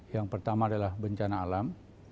yang pertama adalah bencana alam